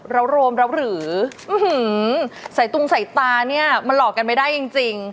รวมแล้วหรือใส่ตุงใส่ตาเนี่ยมันหลอกกันไม่ได้จริง